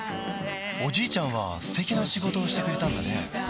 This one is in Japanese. おじいちゃんは素敵な仕事をしてくれたんだね